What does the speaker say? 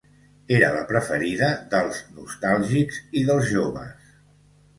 Era la preferida dels nostàlgics i dels joves.